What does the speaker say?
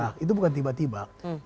nah itu bukan tiba tiba